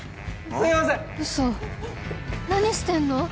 ウソなにしてんの？